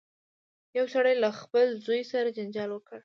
یو سړي له خپل زوی سره جنجال وکړ.